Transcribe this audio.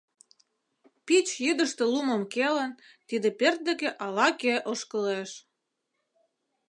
Пич йӱдыштӧ лумым келын, тиде пӧрт деке Ала-кӧ ошкылеш.